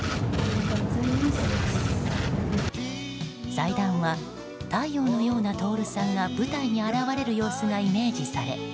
祭壇は、太陽のような徹さんが舞台に現れる様子がイメージされ